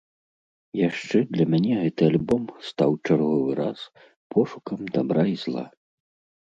Яшчэ для мяне гэты альбом стаў чарговы раз пошукам дабра і зла.